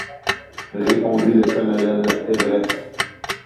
répondit le colonel Everest.